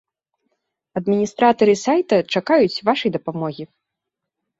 Адміністратары сайта чакаюць вашай дапамогі!